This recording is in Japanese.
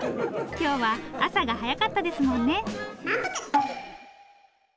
今日は朝が早かったですもんね！